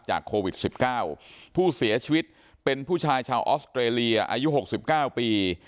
โควิด๑๙ผู้เสียชีวิตเป็นผู้ชายชาวออสเตรเลียอายุ๖๙ปี